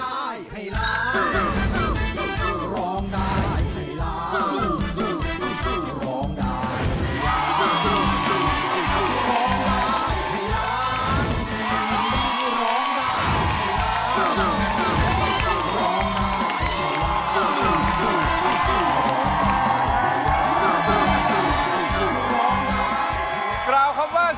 สวัสดีครับครับเวิร์ด